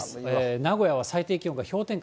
名古屋は最低気温が氷点下